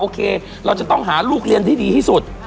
เราจะต้องหาลูกเรียนที่ดีที่สุด